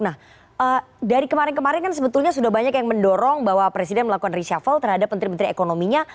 nah dari kemarin kemarin kan sebetulnya sudah banyak yang mendorong bahwa presiden melakukan reshuffle terhadap menteri menteri ekonominya